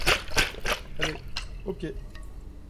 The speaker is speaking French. Allez, au pied!